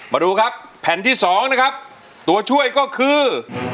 มาดูครับแผ่นที่๒นะครับตัวช่วยก็คือ